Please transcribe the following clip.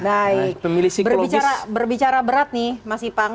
baik berbicara berat nih mas ipang